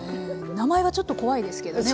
名前はちょっと怖いですけどね。